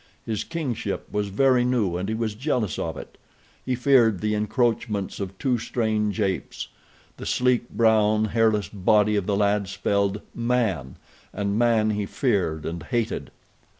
His kingship was very new and he was jealous of it. He feared the encroachments of two strange apes. The sleek, brown, hairless body of the lad spelled "man," and man he feared and hated.